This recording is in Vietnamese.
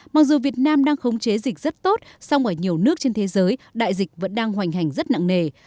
mặc dù việt nam đang khống chế dịch rất tốt song ở nhiều nước trên thế giới đại dịch vẫn đang hoành hành rất nặng nề